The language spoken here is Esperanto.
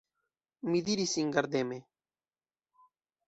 Mi diris, singardeme!